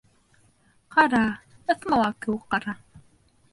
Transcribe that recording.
Ҡара, ыҫмала кеүек ҡара.